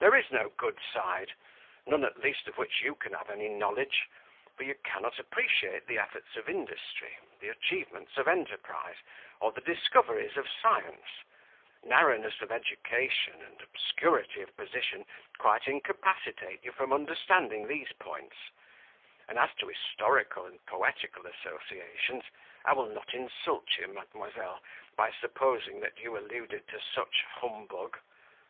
"There is no good side none at least of which you can have any knowledge; for you cannot appreciate the efforts of industry, the achievements of enterprise, or the discoveries of science: narrowness of education and obscurity of position quite incapacitate you from understanding these points; and as to historical and poetical associations, I will not insult you, mademoiselle, by supposing that you alluded to such humbug."